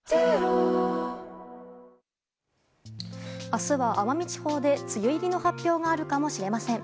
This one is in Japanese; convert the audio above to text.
明日は奄美地方で梅雨入りの発表があるかもしれません。